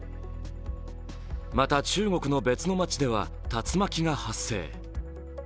また中国の別の街では竜巻が発生。